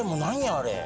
あれ。